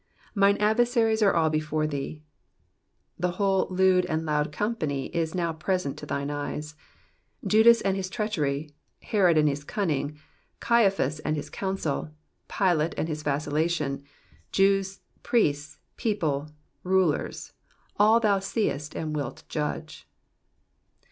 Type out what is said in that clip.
''^Mine adt>ersaries are all be/ore thee,^^ The whole lewd and loud company is now present to thine eye : Judas and his treachery ; Herod and his cunning ; Caiaphas and his counsel ; Pilate and his vacillation ; Jews, priests^ people, rulers, all, thou seest and wilt judge.